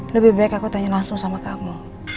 lebih baik aku tanya langsung sama kamu